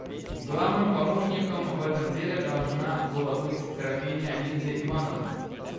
Главным помощником в этом деле должна была быть графиня Лидия Ивановна.